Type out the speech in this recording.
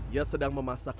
yang sedang memasak